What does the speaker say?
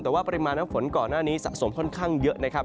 แต่ว่าปริมาณน้ำฝนก่อนหน้านี้สะสมค่อนข้างเยอะนะครับ